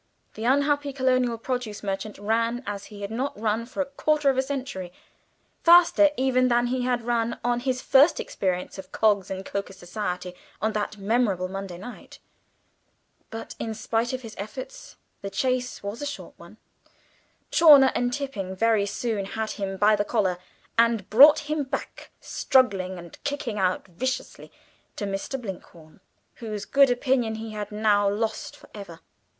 The unhappy Colonial Produce merchant ran as he had not run for a quarter of a century, faster even than he had on his first experience of Coggs' and Coker's society on that memorable Monday night. But in spite of his efforts the chase was a short one. Chawner and Tipping very soon had him by the collar, and brought him back, struggling and kicking out viciously, to Mr. Blinkhorn, whose good opinion he had now lost for ever.